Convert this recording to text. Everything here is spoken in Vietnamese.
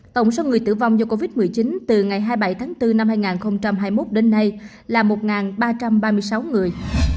tổng số người tử vong do covid một mươi chín từ ngày hai mươi bảy tháng bốn năm hai nghìn hai mươi một đến nay là một ba trăm ba mươi sáu người